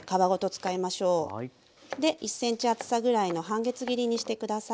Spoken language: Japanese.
で１ｃｍ厚さぐらいの半月切りにして下さい。